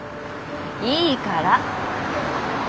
いいから。